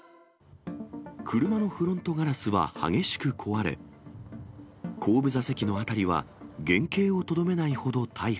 車のフロントガラスは激しく壊れ、後部座席のあたりは原形をとどめないほど大破。